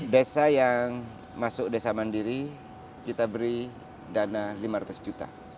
desa yang masuk desa mandiri kita beri dana lima ratus juta